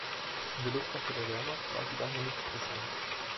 In der Luftwaffe der Wehrmacht war sie daher nicht präsent.